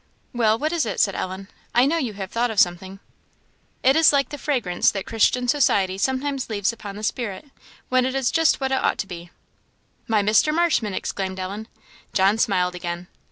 "Well, what is it?" said Ellen; "I know you have thought of something." "It is like the fragrance that Christian society sometimes leaves upon the spirit; when it is just what it ought to be." "My Mr. Marshman!" exclaimed Ellen. John smiled again.